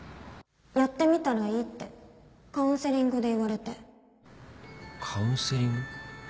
やってみたらいいってカウンセリングで言われてカウンセリング？